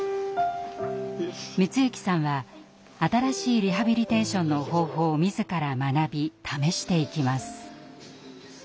光行さんは新しいリハビリテーションの方法を自ら学び試していきます。